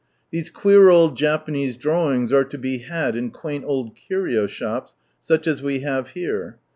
These queer crfd Japanese drawings are to be had in <)iiaini old curio shops, such as we hare here.